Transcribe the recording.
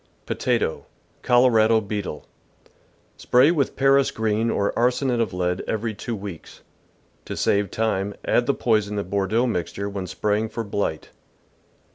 Potato. — Colorado Beetle. — Spray with Paris green or arsenate of lead every two weeks. To save time, add the poison to Bordeaux mixture when spraying for blight.